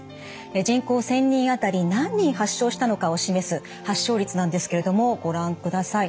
人口１，０００人あたり何人発症したのかを示す発症率なんですけれどもご覧ください。